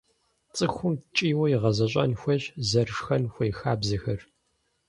ЦӀыхум ткӀийуэ игъэзэщӀэн хуейщ зэрышхэн хуей хабзэхэр.